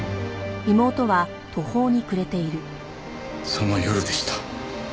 その夜でした。